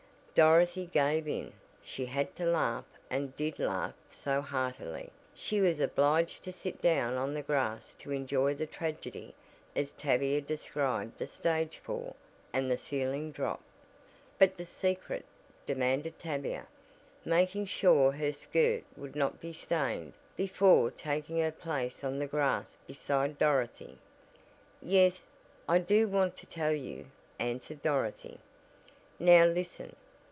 Dorothy "gave in." She had to laugh and did laugh so heartily she was obliged to sit down on the grass to enjoy the "tragedy" as Tavia described the stage fall and the "ceiling drop." "But the secret?" demanded Tavia, making sure her skirt would not be stained, before taking her place on the grass beside Dorothy. "Yes, I do want to tell you," answered Dorothy, "Now listen.